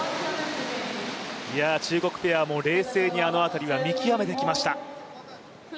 中国ペアも冷静にあの辺りは見極めてきました。